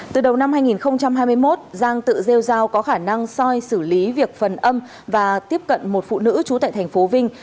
từ đầu năm hai nghìn hai mươi một giang tự rêu dao có khả năng soi xử lý việc phần âm và tiếp cận một phụ nữ trú tại thành phố vinh